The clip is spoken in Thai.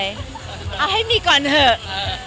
เอาให้มีก่อนเถอะ